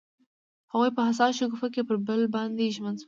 هغوی په حساس شګوفه کې پر بل باندې ژمن شول.